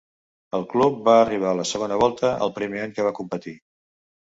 El club va arribar a la segona volta el primer any que va competir.